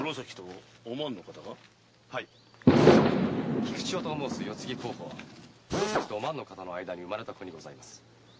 菊千代と申す世継ぎ候補は黒崎とお万の方の間の子にございます。